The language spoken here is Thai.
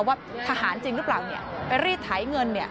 ว่าทหารจริงหรือเปล่าไปรีดไถเงิน